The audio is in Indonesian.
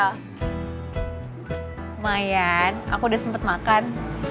lumayan aku udah sempet makan